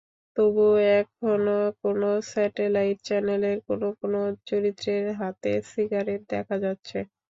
তবু এখনো কোনো স্যাটেলাইট চ্যানেলে কোনো কোনো চরিত্রের হাতে সিগারেট দেখা যাচ্ছে।